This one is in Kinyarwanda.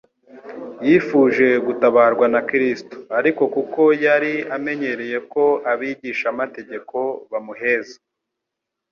yifuje gutabarwa na Kristo; ariko kuko yari amenyereye ko abigishamategeko bamuheza,